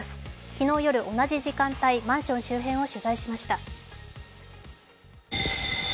昨日夜、同じ時間帯マンション周辺を取材しました。